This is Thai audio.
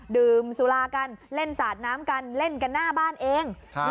ดื่มสุรากันเล่นสาดน้ำกันเล่นกันหน้าบ้านเอง